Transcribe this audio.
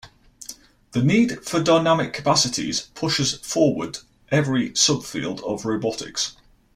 The need for dynamic capacities pushes forward every sub-field of robotics.